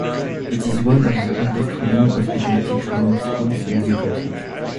It is one of the oldest running hospitality training schools in the country.